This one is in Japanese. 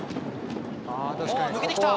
抜けてきた！